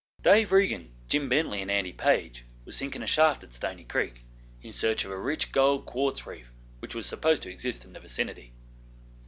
Dave Regan, Jim Bently, and Andy Page were sinking a shaft at Stony Creek in search of a rich gold quartz reef which was supposed to exist in the vicinity.